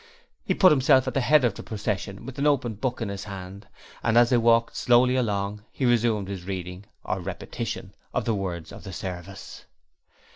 He put himself at the head of the procession with an open book in his hand, and as they walked slowly along, he resumed his reading or repetition of the words of the service.